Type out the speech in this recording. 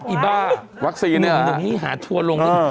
อีบ้าวัคซีนนี่เหรออืมหาทัวร์ลงไปหิน